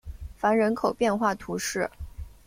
凡人口变化图示